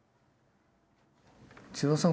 千葉さん